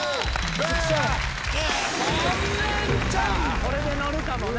これでのるかもね。